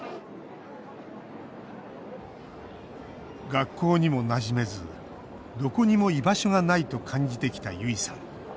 学校にもなじめずどこにも居場所がないと感じてきた、ゆいさん。